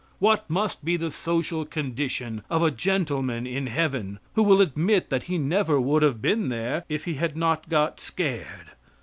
What must be the social condition of a gentleman in heaven who will admit that he never would have been there if he had not got scared?